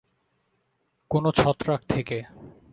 কোনো ছত্রাক থেকে।